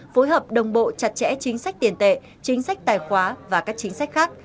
phối hợp đồng bộ chặt chẽ chính sách tiền tệ chính sách tài khoá và các chính sách khác